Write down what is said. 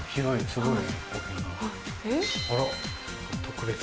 すごい。